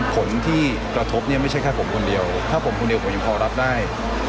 ผลกระทบที่กระทบเนี่ยไม่ใช่แค่ผมคนเดียวถ้าผมคนเดียวผมยังพอรับได้